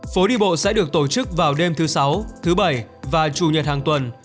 phố đi bộ sẽ được tổ chức vào đêm thứ sáu thứ bảy và chủ nhật hàng tuần